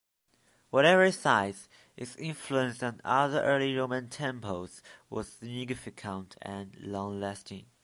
Whatever its size, its influence on other early Roman temples was significant and long-lasting.